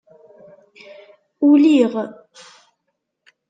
Uliɣ.